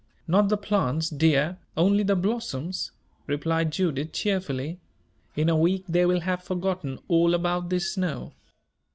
"Not the plants, dear only the blossoms," replied Judith, cheerfully. "In a week they will have forgotten all about this snow."